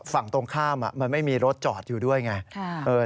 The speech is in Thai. ฝั่งตรงข้ามมันไม่มีรถจอดอยู่ด้วยไง